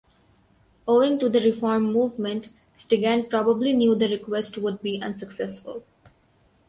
Owing to the reform movement, Stigand probably knew the request would be unsuccessful.